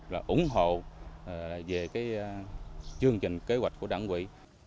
và đồng tình để tìm hiểu về chương trình kế hoạch của đảng ủy